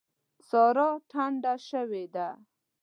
سارا ټنډه شوې ده.